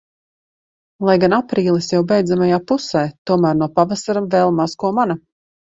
Lai gan aprīlis jau beidzamajā pusē, tomēr no pavasara vēl maz ko mana.